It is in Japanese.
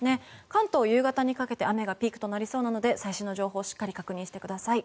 関東、夕方にかけて雨がピークとなりそうなので最新の情報をしっかり確認してください。